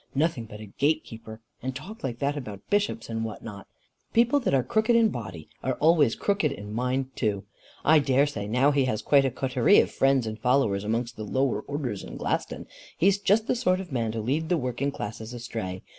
Nothing but a gate keeper, and talk like that about bishops and what not! People that are crooked in body are always crooked in mind too. I dare say now he has quite a coterie of friends and followers amongst the lower orders in Glaston. He's just the sort of man to lead the working classes astray.